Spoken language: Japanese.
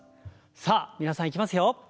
さあ皆さんいきますよ。